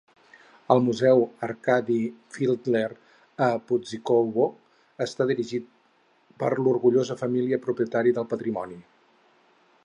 El Museu Arkady Fiedler a Puszczykowo està dirigit per l"orgullosa família propietària del patrimoni.